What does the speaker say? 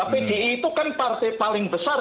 pdi itu kan partai paling besar